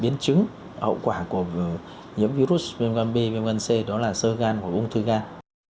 biến chứng hậu quả của nhiễm virus viêm gan b viêm gan c đó là sơ gan của ung thư gan